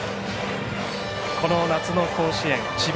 この夏の甲子園智弁